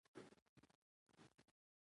ولایتونه د افغانستان د انرژۍ سکتور برخه ده.